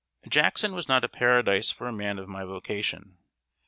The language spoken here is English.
] Jackson was not a paradise for a man of my vocation.